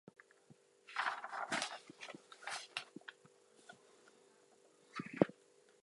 Prior to starring on "General Hospital" he starred in its spinoff "Port Charles".